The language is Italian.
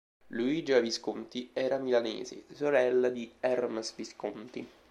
Luigia Visconti era milanese, sorella di Ermes Visconti.